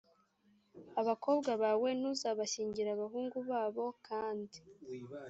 abakobwa bawe ntuzabashyingire abahungu babo kandi